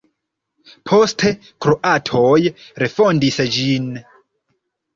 Poste kroatoj refondis ĝin.